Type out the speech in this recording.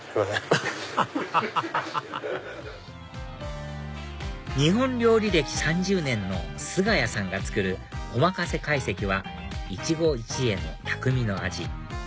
アハハハハ日本料理歴３０年の菅谷さんが作るおまかせ会席は一期一会の匠の味